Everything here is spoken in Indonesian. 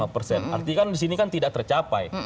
lima persen artinya kan disini kan tidak tercapai